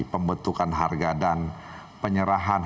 pembentukan harga dan penyerahan